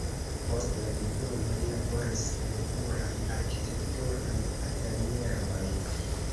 Post la diplomo li laboris en pluraj arkitekturaj atelieroj.